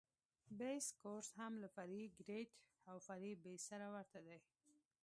بیس کورس هم له فرعي ګریډ او فرعي بیس سره ورته دی